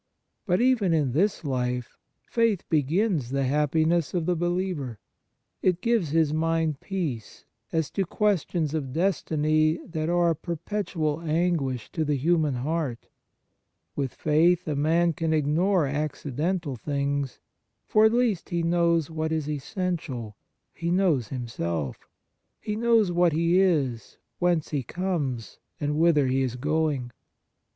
But even in this life faith begins the happiness of the believer. It gives his mind peace as to questions of destiny that are a perpetual anguish to the human heart. With faith a man can ignore accidental things, for at least he knows what is essential, he knows himself ; he knows what he is, whence he comes, and whither he is going.